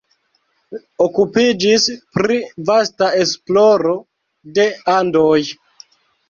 Okupiĝis pri vasta esploro de Andoj.